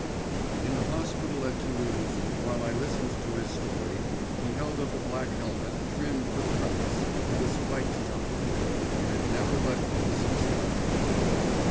In the hospital at Toulouse, while I listened to his story, he held up a black helmet, trimmed with brass—with a spiked top. It had never left him since that day.